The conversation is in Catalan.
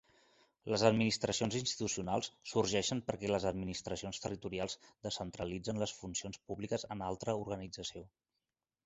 Les administracions institucionals sorgeixen perquè les administracions territorials descentralitzen les funcions públiques en altra organització.